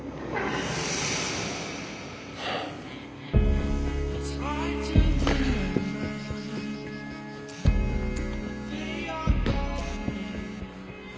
はい。